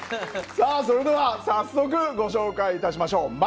さあそれでは早速ご紹介いたしましょう。